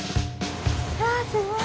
わあすごい。